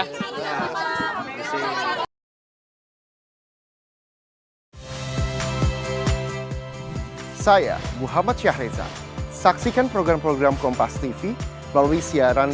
hai saya muhammad syahrezad saksikan program program kompas tv melalui siaran